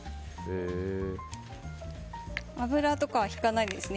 油とかはひかないですね。